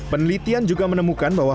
penelitian juga menemukan bahwa